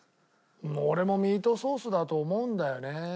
俺もミートソースだと思うんだよね。